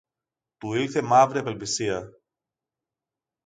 Του ήλθε μαύρη απελπισία.